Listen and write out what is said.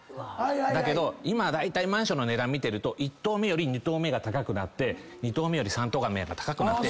だけど今マンションの値段見てると１棟目より２棟目が高くなって２棟目より３棟目が高くなって。